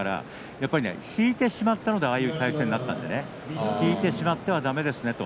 やっぱり引いてしまったのでああいう体勢になった引いてしまってはだめですね。